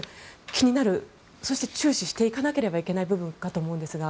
気になるそして注視していかないといけない部分かと思いますが。